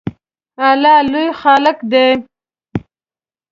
الله لوی خالق دی